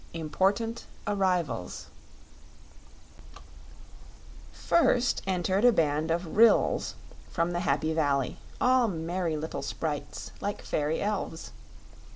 Important Arrivals First entered a band of Ryls from the Happy Valley, all merry little sprites like fairy elves.